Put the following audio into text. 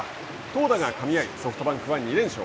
投打がかみ合いソフトバンクは２連勝。